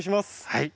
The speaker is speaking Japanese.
はい。